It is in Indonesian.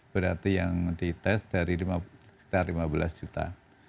berarti yang di tes dari lima belas juta